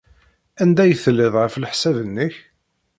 Anda ay telliḍ, ɣef leḥsab-nnek?